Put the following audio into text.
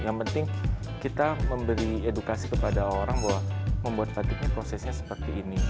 yang penting kita memberi edukasi kepada orang bahwa membuat batik ini prosesnya seperti ini